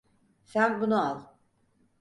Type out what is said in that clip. Sen bunu al.